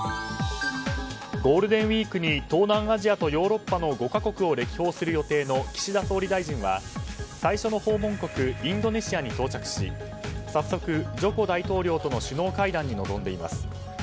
ゴールデンウィークに東南アジアとヨーロッパの５か国を歴訪する予定の岸田総理大臣は最初の訪問国インドネシアに到着し早速、ジョコ大統領との首脳会談に臨んでいます。